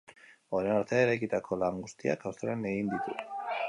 Orain arte eraikitako lan guztiak Australian egin ditu.